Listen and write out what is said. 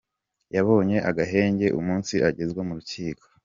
Yabonye agahenge umunsi agezwa mu rukiko.